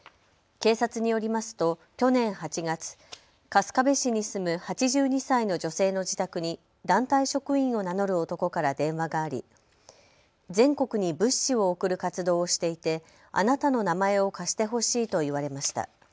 警察によりますと去年８月、春日部市に住む８２歳の女性の自宅に団体職員を名乗る男から電話があり全国に物資を送る活動をしていてあなたの名前を貸してほしいと言われました。